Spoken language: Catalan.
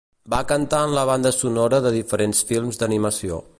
Va cantar en la banda sonora de diferents films d'animació.